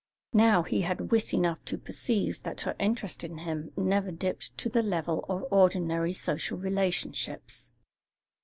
Now he had wit enough to perceive that her interest in him never dipped to the level of ordinary social relationships.